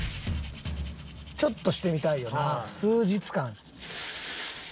ちょっとしてみたいよな数日間。